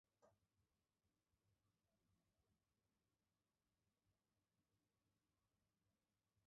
订立期权协议收购在中国经营天然气相关业务之若干投资项目及出售沈阳项目。